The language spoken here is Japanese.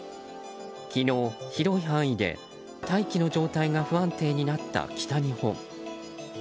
昨日、広い範囲で大気の状態が不安定になった北日本。